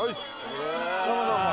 どうもどうも。